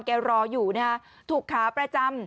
อ๋อคอยลูกค้าผม